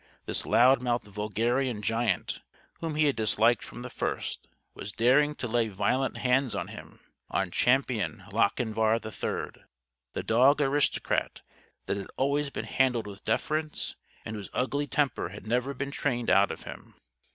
This loud mouthed vulgarian giant, whom he had disliked from the first, was daring to lay violent hands on him on Champion Lochinvar III, the dog aristocrat that had always been handled with deference and whose ugly temper had never been trained out of him.